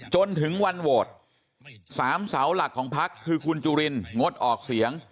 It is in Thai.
จนถึงวันโหวต๓เสาหลักของพักคือคุณจุรินรักษณะวิสิทธิ์งดออกเสียง